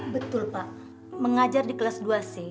betul pak mengajar di kelas dua c